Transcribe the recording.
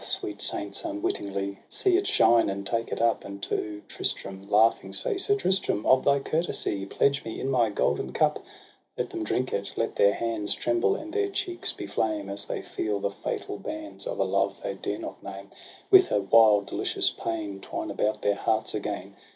sweet saints, unwittingly ! See it shine, and take it up, And to Tristram laughing say :' Sir Tristram, of thy courtesy, Pledge me in my golden cup !' Let them drink it — let their hands Tremble, and their cheeks be flame. As they feel the fatal bands Of a love they dare not name. With a wild delicious pain, Twine about their hearts again